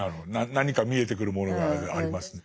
何か見えてくるものがありますね。